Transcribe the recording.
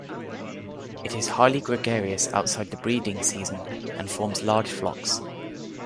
It is highly gregarious outside the breeding season and forms large flocks.